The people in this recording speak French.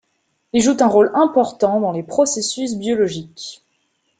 Ils jouent un rôle important dans les processus biologiques.